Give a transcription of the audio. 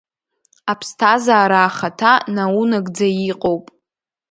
Аԥсҭазаара ахаҭа наунагӡа иҟоуп.